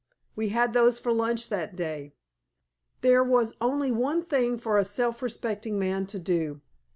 We had those for lunch that day. There was only one thing for a self respecting man to do.